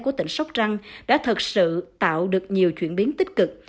của tỉnh sóc trăng đã thật sự tạo được nhiều chuyển biến tích cực